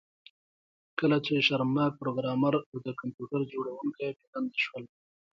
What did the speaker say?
کله چې شرمناک پروګرامر او د کمپیوټر جوړونکی بې دندې شول